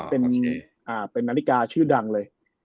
เป็นนาฬิกาชื่อดังเลย